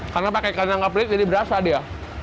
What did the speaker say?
karena pakai ikan yang enggak pelit jadi berasa dia